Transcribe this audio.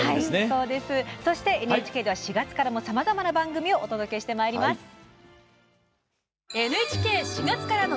そして、ＮＨＫでは４月からもさまざまな番組をお届けしてまいります。